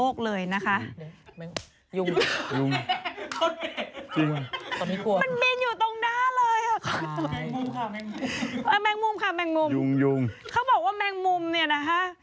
เขาบอกว่าแมงมุมเนี่ยนะคะ